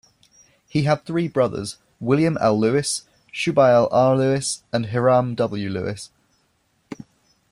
He had three brothers, William L. Lewis, Shubael R. Lewis, and Hiram W Lewis.